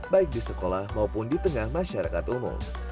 baik di sekolah maupun di tengah masyarakat umum